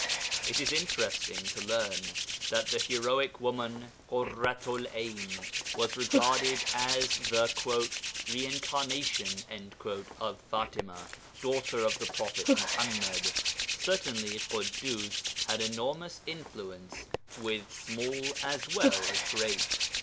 It is interesting to learn that that heroic woman Ḳurratu'l 'Ayn was regarded as the 'reincarnation' of Fatima, daughter of the prophet Muḥammad. Certainly Ḳuddus had enormous influence with small as well as great.